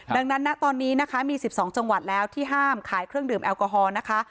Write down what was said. ดังนั้นนะตอนนี้นะคะมี๑๒จังหวัดแล้วที่ห้ามขายเครื่องดื่มแอลกอฮอล์นะคะ